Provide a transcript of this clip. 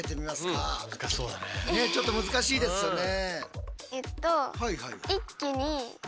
ねっちょっと難しいですよね。